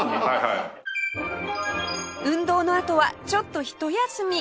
運動のあとはちょっとひと休み